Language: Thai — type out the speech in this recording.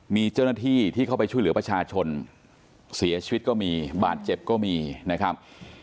มีเจ้าหน้าที่ที่เข้าไปช่วยเหลือประชาชนเสียชีวิตก็มีบาดเจ็บก็มีนะครับ